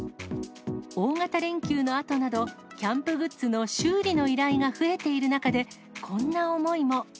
大型連休のあとなど、キャンプグッズの修理の依頼が増えている中で、こんな思いも。